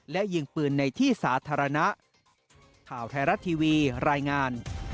และยิงปืนในที่สาธารณะ